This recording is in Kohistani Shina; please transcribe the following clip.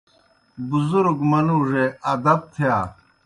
بُزُرگ مَنُوڙُے ادب تِھیا۔